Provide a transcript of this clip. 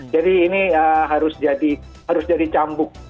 jadi ini harus jadi cambuk